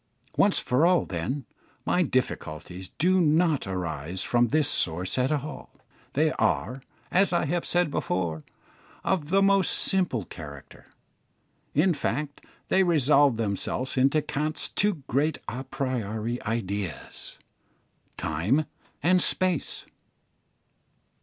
Once for all, then, my difficulties do not arise from this source at all; they are, as I have said before, of the most simple character. In fact, they resolve themselves into Kant's two great a priori ideas, time and space.